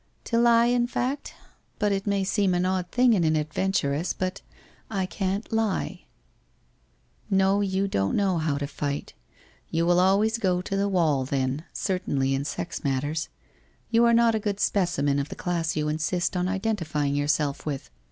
' To lie in fact. But it may seem an odd thing in an adventuress — I can't lie.' ' Nb, you don't know how to fight. You will always go to the wall then — certainly in sex matters. You are not a good specimen of the class you insist on identifying yourself with.